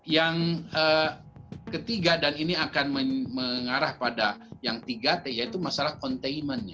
yang ketiga dan ini akan mengarah pada yang tiga t yaitu masalah containment